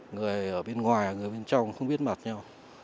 người ở bên ngoài người bên trong không biết mặt nhau